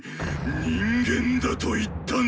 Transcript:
「人間」だと言ったね